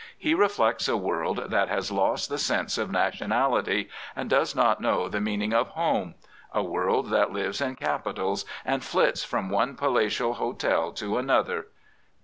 He reflects a world that has lost the sense of nationality and does not know the meaning of home — a world that lives in capitals, and flits from one palatial hotel to another.